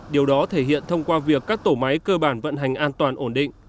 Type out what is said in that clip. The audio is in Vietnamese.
điều đó thể hiện thông qua việc các tổ máy cơ bản vận hành an toàn ổn định